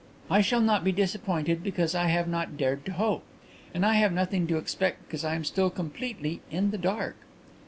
"I shall not be disappointed because I have not dared to hope. And I have nothing to expect because I am still completely in the dark."